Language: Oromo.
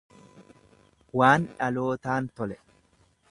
Waan dhalootaan tole.